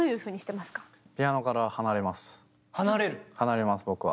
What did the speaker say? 離れます僕は。